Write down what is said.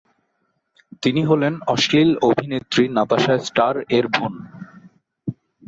তিনি হলেন অশ্লীল অভিনেত্রী নাতাশা স্টার এর ছোট বোন।